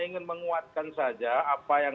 ingin menguatkan saja apa yang